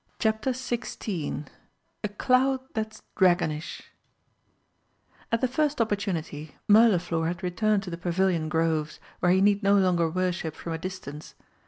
CHAPTER XVI "A CLOUD THAT'S DRAGONISH" At the first opportunity Mirliflor had returned to the pavilion groves, where he need no longer worship from a distance.